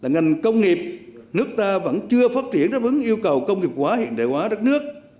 ngành công nghiệp nước ta vẫn chưa phát triển đáp ứng yêu cầu công nghiệp hóa hiện đại hóa đất nước